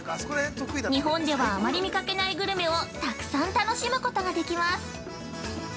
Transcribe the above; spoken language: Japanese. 日本ではあまり見かけないグルメをたくさん楽しむことができます。